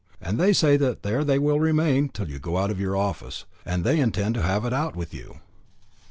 And they say that there they will remain, till you go out to your office. And they intend to have it out with you."